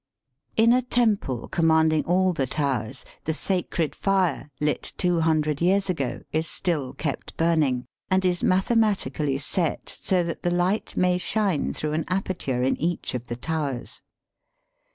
In a temple commanding all the towers the sacred fire, lit two hundred years ago, is still kept burning, and is mathematically set, so that the hght may shine through an aperture in each of the towers.